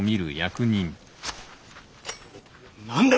何だ